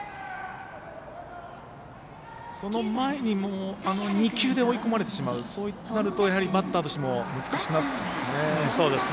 その前に２球で追い込まれてしまうそうなるとバッターとしても難しくなってきますね。